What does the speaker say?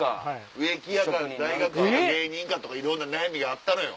植木屋か大学生か芸人かとかいろんな悩みがあったのよ。